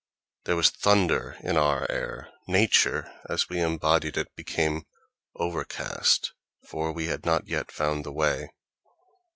There was thunder in our air; nature, as we embodied it, became overcast—for we had not yet found the way.